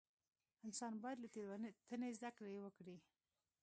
انسان باید له تېروتنې زده کړه وکړي.